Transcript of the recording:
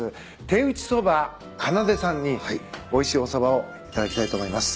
手打そば奏さんにおいしいおそばを頂きたいと思います。